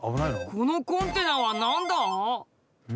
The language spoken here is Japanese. このコンテナは何だ？